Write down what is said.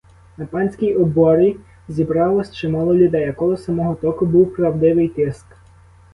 На панській оборі зібралось чимало людей, а коло самого току був правдивий тиск.